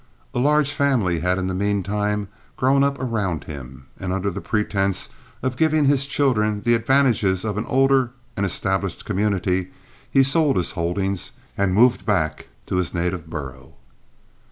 A large family had in the mean time grown up around him, and under the pretense of giving his children the advantages of an older and established community he sold his holdings and moved back to his native borough.